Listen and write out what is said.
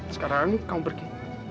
sekarang kamu pergi